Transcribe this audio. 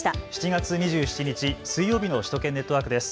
７月２７日、水曜日の首都圏ネットワークです。